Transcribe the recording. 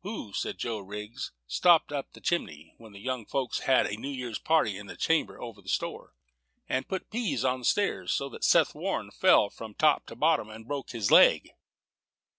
"Who," said Joe Riggs, "stopped up the chimney, when the young folks had a New Year's party in the chamber over the store, and put peas on the stairs, so that Seth Warren fell from top to bottom, and broke his leg?"